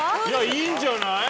いいんじゃない？